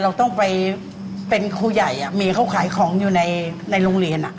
เราต้องไปเป็นครูใหญ่มีเขาขายของอยู่ในโรงเรียน